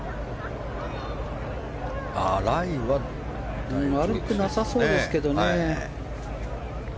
ライは悪くなさそうですけどね。